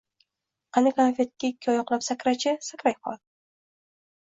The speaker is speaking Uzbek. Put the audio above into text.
– Qani, konfetga ikki oyoqlab sakra-chi! Sakrayqol!